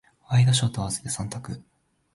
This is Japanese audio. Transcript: ワイドショーと合わせて三択。